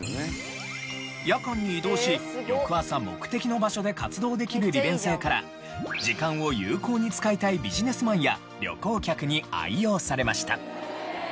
夜間に移動し翌朝目的の場所で活動できる利便性から時間を有効に使いたいビジネスマンや旅行客に愛用されました。